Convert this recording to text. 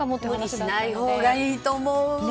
無理しないほうがいいと思う。